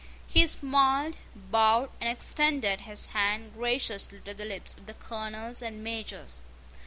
He smiled, bowed, and extended his hand graciously to the lips of the colonels and majors.